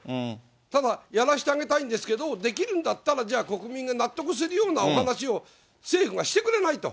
ただ、やらせてあげたいんですけど、できるんだったら、じゃあ、国民が納得するようなお話を、政府がしてくれないと。